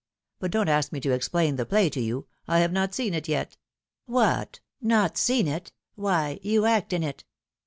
But don't ask me to explain the play to you ! I have not seen it yet." What I not seen it ? Why, you act in it